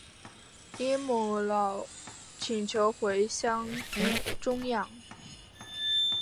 因母老请求回乡终养。